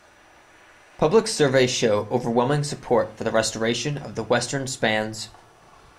Public surveys show overwhelming support for the restoration of the western spans.